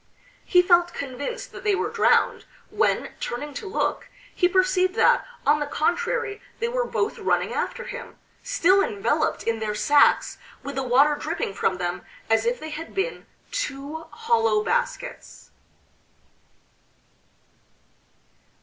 He felt convinced that they were drowned, when, turning to look he perceived that, on the contrary, they were both running after him, still enveloped in their sacks with the water dripping from them as if they had been two hollow baskets....